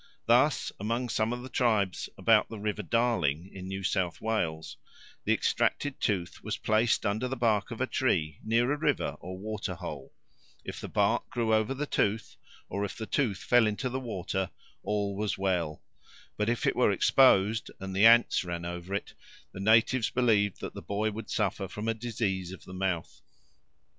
Thus among some of the tribes about the river Darling, in New South Wales, the extracted tooth was placed under the bark of a tree near a river or water hole; if the bark grew over the tooth, or if the tooth fell into the water, all was well; but if it were exposed and the ants ran over it, the natives believed that the boy would suffer from a disease of the mouth.